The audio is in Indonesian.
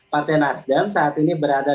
partai nasdem saat ini berada